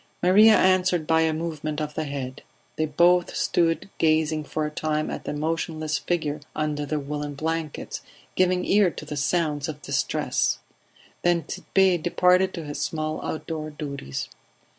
Maria answered by a movement of the head. They both stood gazing for a time at the motionless figure under the woollen blankets, giving ear to the sounds of distress; then Tit'Bé departed to his small outdoor duties.